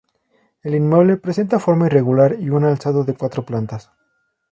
El inmueble presenta forma irregular y un alzado de cuatro plantas.